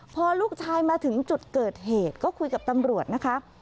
พอลูกชายมาถึงจุดเกิดเหตุก็คุยกับตำรวจนะคะ